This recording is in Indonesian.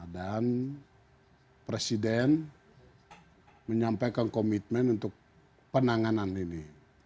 dan presiden menyampaikan komitmen untuk penanganan ini